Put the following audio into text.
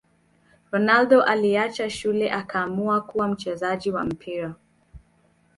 Ronaldo aliacha shule akaamua kuwa mchezaji wa mpira